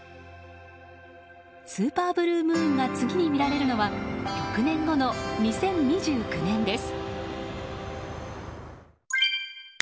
スーパーブルームーンが次に見られるのは６年後の２０２９年です。